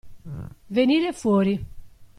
Venire fuori.